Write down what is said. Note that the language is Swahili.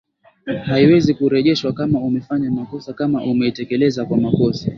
haiwezi kurejeshwa kama umefanya makosa kama umeitekeleza kwa makosa